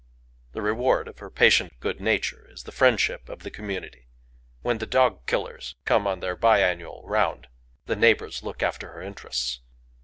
The reward of her patient good nature is the friendship of the community. When the dog killers come on their bi annual round, the neighbors look after her interests.